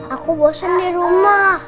aku bosan di rumah